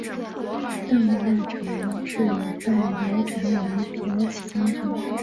邓艾承制拜刘禅为骠骑将军。